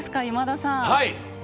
今田さん。